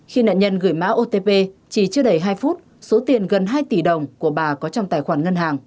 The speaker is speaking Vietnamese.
khi nạn nhân gửi mã otp chỉ chưa đầy hai phút số tiền gần hai tỷ đồng của bà có trong tài khoản ngân hàng